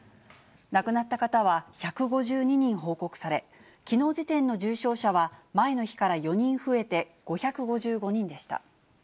亡くなった方は１５２人報告され、きのう時点の重症者は、前の日から４人増えて、５５５人でした。